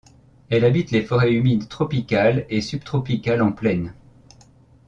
Elle habite les forêts humides tropicales et subtropicales en plaine.